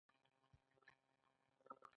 د غلو ګلونه واړه وي.